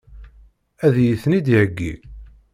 Ad iyi-ten-id-iheggi?